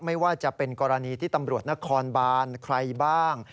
ไม่ว่าจะเป็นกรณีที่ตำรวจนครบานใครบ้าง